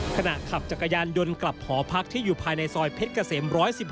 ขณะขับจักรยานยนต์กลับหอพักที่อยู่ภายในซอยเพชรเกษม๑๑๖